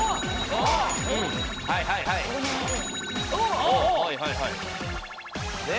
はいはいはいで？